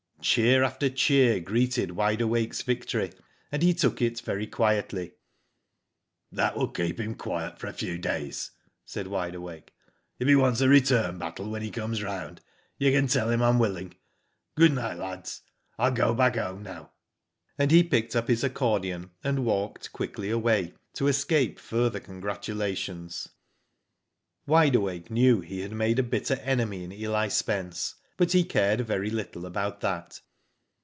Cheer after cheer greeted Wide Awakens victory, and he took it very quietly. "That will keep him quiet for a few days," said Wide Awake. " If he wants a return battle when he comes round, you can tell him I'm willing. Good night, lads. I'll go back home now," and he picked up his accordion, and walked quickly away to escape further congratulations. Wide .Awake knew he had made a bitter enemy in Eli Spence, but he cared very little about that.